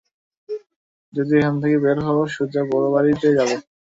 যদি এখান থেকে বের হও, সোজা বড় বাড়ি তে যাবে।